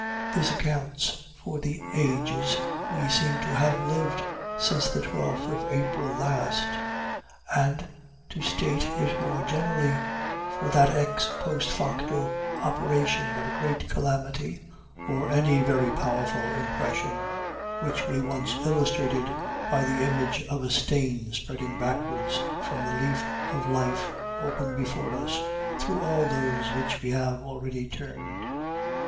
This accounts for the ages we seem to have lived since the twelfth of April last, and, to state it more generally, for that ex post facto operation of a great calamity, or any very powerful impression, which we once illustrated by the image of a stain spreading backwards from the leaf of life open before us through all those which we have already turned.